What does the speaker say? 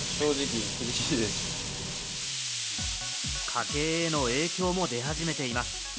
家計への影響も出始めています。